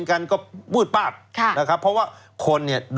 ใครคือน้องใบเตย